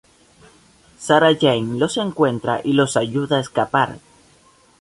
Sarah Jane los encuentra y los ayuda a escapar.